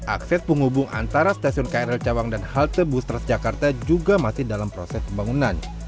akses penghubung antara stasiun krl cawang dan halte bus transjakarta juga masih dalam proses pembangunan